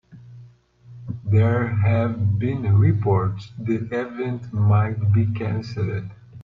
There have been reports the event might be canceled.